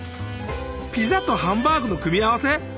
ピザとハンバーグの組み合わせ？